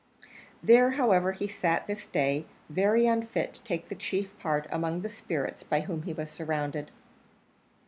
There, however, he sat on this day, very unfit to take the chief part among the spirits by whom he was surrounded.